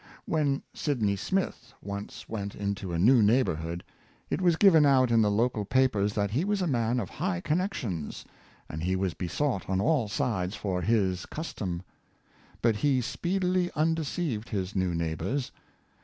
When Sydney Smith once went into a new neighborhood, it was given out in the local papers that he was a man of high connections, and he was besought on all sides for his " custom." But he speedily undeceived his new neighbors.